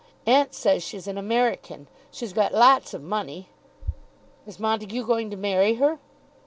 Aunt says she's an American. She's got lots of money." "Is Montague going to marry her?"